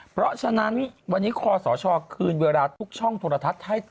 เพราะฉะนั้นวันนี้คอสชคืนเวลาทุกช่องโทรทัศน์